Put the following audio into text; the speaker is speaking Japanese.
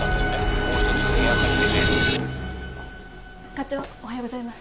課長おはようございます。